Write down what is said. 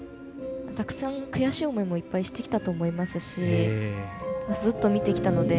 たくさん、悔しい思いもいっぱいしてきたと思いますしずっと見てきたので